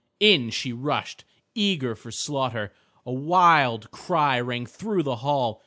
In she rushed eager for slaughter. A wild cry rang through the hall.